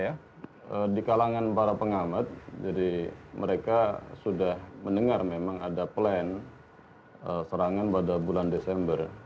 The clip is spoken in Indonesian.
ya di kalangan para pengamat jadi mereka sudah mendengar memang ada plan serangan pada bulan desember